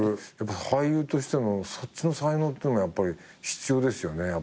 俳優としてもそっちの才能っていうのもやっぱり必要ですよね。